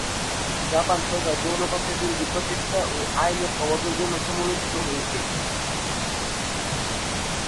Japan সরকার যৌন-পাচার বিরোধী প্রচেষ্টা ও আইনের অভাবের জন্য সমালোচিত হয়েছে।